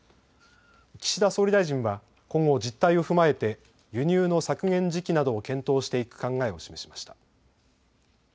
岸田総理大臣は今後、実態を踏まえて輸入の削減時期などを検討していく考えを示しました。